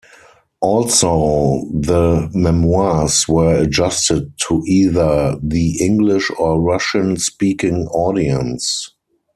Also, the memoirs were adjusted to either the English- or Russian- speaking audience.